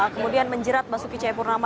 kemudian menjerat basuki c purnama